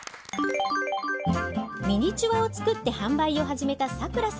ミニチュアを作って販売を始めたサクラさん。